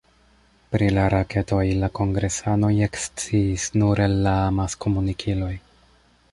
Pri la raketoj la kongresanoj eksciis nur el la amaskomunikiloj.